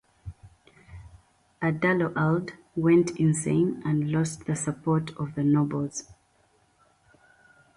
Adaloald went insane and lost the support of the nobles.